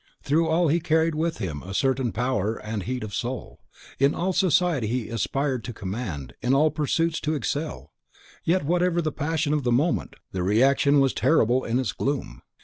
Through all he carried with him a certain power and heat of soul. In all society he aspired to command, in all pursuits to excel. Yet whatever the passion of the moment, the reaction was terrible in its gloom.